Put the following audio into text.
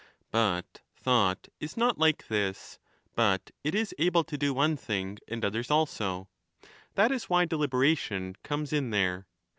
But thought is not like this, but it is able to do one thing 1190^ and others also. That is why deliberation comes in there.